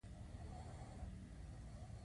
دریمه برخه د تجربوي لیکنې په وسیله ده.